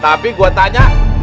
tapi gua tanya